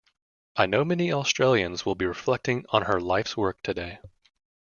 I know many Australians will be reflecting on her life's work today.